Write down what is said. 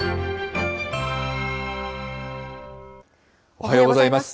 おはようございます。